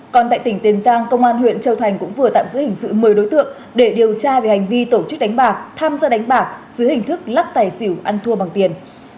còn tại tỉnh tiền giang công an huyện châu thành cũng vừa tạm giữ hình sự một mươi đối tượng để điều tra về hành vi tổ chức đánh bạc tham gia đánh bạc dưới hình thức lắc tài xỉu ăn thua bằng tiền